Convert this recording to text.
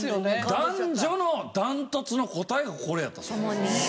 男女の断トツの答えがこれやったそうです。